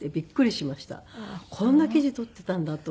こんな記事取っていたんだと。